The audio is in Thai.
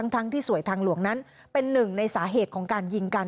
ทั้งที่สวยทางหลวงนั้นเป็นหนึ่งในสาเหตุของการยิงกัน